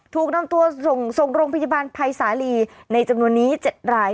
ถูกนำตัวส่งโรงพยาบาลภัยสาลีในจำนวนนี้๗ราย